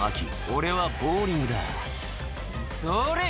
俺はボウリングだそれ！」